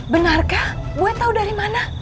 benarkah gue tahu dari mana